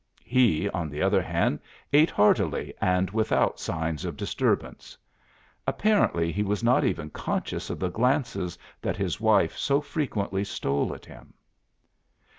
He, on the other hand, ate heartily and without signs of disturbance. Apparently he was not even conscious of the glances that his wife so frequently stole at him.